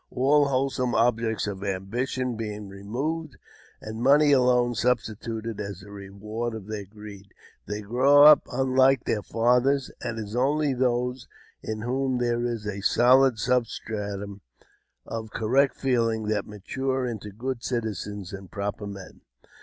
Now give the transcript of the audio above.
All whole some objects of ambition being removed, and money alone 430 AUTOBIOGBAPHY OF substituted as the reward of their greed, they grow up unlike their fathers ; and it is only those in whom there is a soUd substratum of correct feeling that mature into good citizens and proper men.